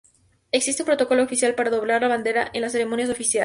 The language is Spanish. Existe un protocolo oficial para doblar la bandera en las ceremonias oficiales.